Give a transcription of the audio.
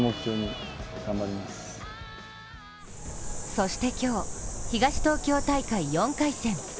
そして今日、東東京大会４回戦。